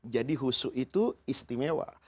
jadi husu itu istimewa